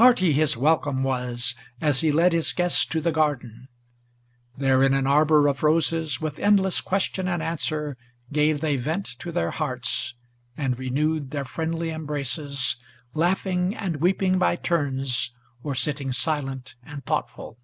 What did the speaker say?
Hearty his welcome was, as he led his guests to the garden. There in an arbor of roses with endless question and answer Gave they vent to their hearts, and renewed their friendly embraces, Laughing and weeping by turns, or sitting silent and thoughtful.